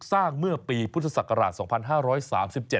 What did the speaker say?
สร้างเมื่อปีพุทธศักราช